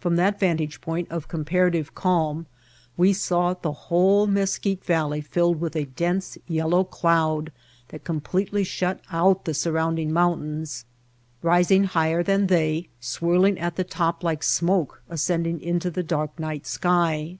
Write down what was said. From that vantage point of com parative calm we saw the whole Mesquite Val Snowstorm and Sandstorm ley filled with a dense yellow cloud that com pletely shut out the surrounding mountains, ris ing higher than they, swirling at the top like smoke ascending into the dark night sky.